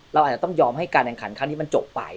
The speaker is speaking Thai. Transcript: เราอาจจะต้องยอมให้การแ่งขันตั้งแต่ว่ามันจกไป